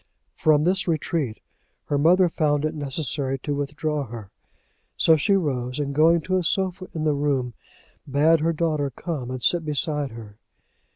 From this retreat her mother found it necessary to withdraw her; so she rose, and going to a sofa in the room, bade her daughter come and sit beside her.